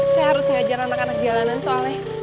saya harus ngajar anak anak jalanan soalnya